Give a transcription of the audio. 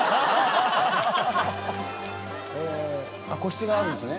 個室があるんですね。